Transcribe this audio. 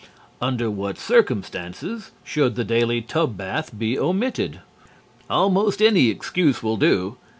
Under what circumstances should the daily tub bath be omitted? Almost any excuse will do.